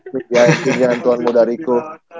tidak ya itu yang tuan muda riko